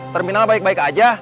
terminal baik baik aja